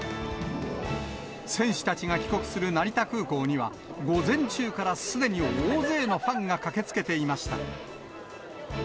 選手たちが帰国する成田空港には、午前中からすでに大勢のファンが駆けつけていました。